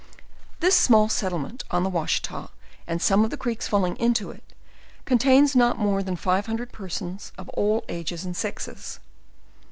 This small settlement, on the Washita and some of the creeks falling into it, contains not more than five hundred persons, of all ages and sexes.